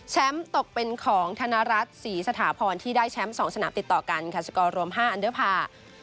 ตกเป็นของธนรัฐศรีสถาพรที่ได้แชมป์๒สนามติดต่อกันค่ะสกอร์รวม๕อันเดอร์พาร์